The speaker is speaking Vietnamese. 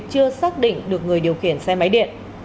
chưa xác định được người điều khiển xe máy điện